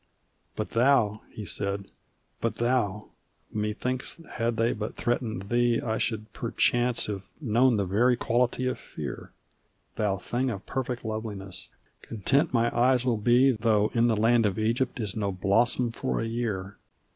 "But thou!" he said; "but thou! Methinks had they but threatened thee I should perchance have known the very quality of fear; Thou thing of perfect loveliness! Content mine eyes will be Though in the land of Egypt is no blossom for a year.